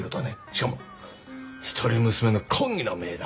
しかも一人娘の婚儀の前だ。